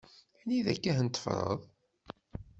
Anida akk-a teffreḍ?